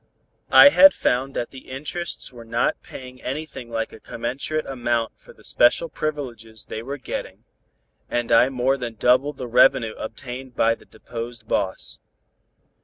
I had found that the interests were not paying anything like a commensurate amount for the special privileges they were getting, and I more than doubled the revenue obtained by the deposed boss.